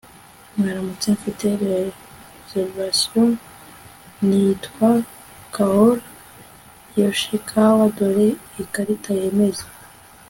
Mwaramutse Mfite reservation nitwa Kaori Yoshikawa Dore ikarita yemeza